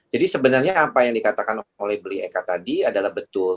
jadi sebenarnya apa yang dikatakan oleh blieka tadi adalah betul